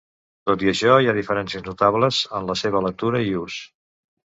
Tot i això, hi ha diferències notables en la seva lectura i ús.